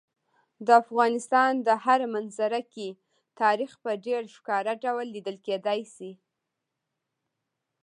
د افغانستان په هره منظره کې تاریخ په ډېر ښکاره ډول لیدل کېدی شي.